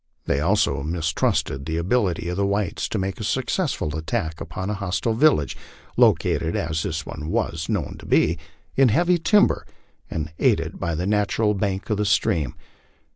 They also mistrusted the ability of the whites to make a successful attack upon a hostile village, located as this one was known to be in heavy timber, and aided by the natural banks of the stream.